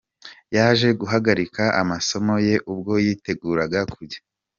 Yaje guhagarika amasomo ye ubwo yiteguraga kujya.